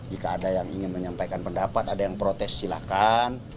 jika ada yang ingin menyampaikan pendapat ada yang protes silahkan